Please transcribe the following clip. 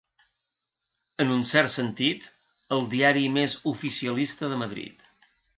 En un cert sentit, el diari més oficialista de Madrid.